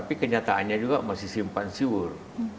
tapi kenyataannya juga masih simpan siur